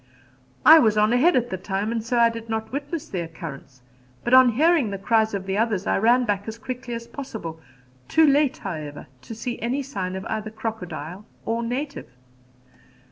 I was on ahead at the time and so did not witness the occurrence, but on hearing the cries of the others I ran back as quickly as possible too late, however, to see any sign of either crocodile or native.